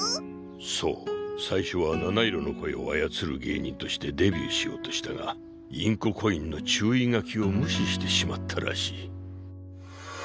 そう最初は七色の声をあやつる芸人としてデビューしようとしたがインココインの注意書きを無視してしまったらしい。